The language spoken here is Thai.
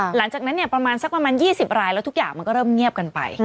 หลังจากนั้นประมาณสักประมาณ๒๐รายแล้วทุกอย่างมันก็เริ่มเงียบกันไป